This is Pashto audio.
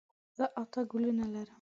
زه اته ګلونه لرم.